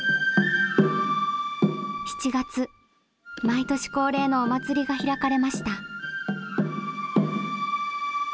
毎年恒例のお祭りが開かれました。